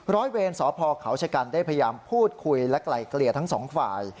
ร้อยเวรสพเขาชะกันได้พยายามพูดคุยและไกลเกลี่ยทั้งสองฝ่าย